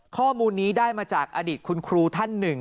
ข้อมูลนี้ได้มาจากอดีตคุณครูท่านหนึ่ง